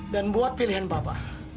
dan buat pilihan papa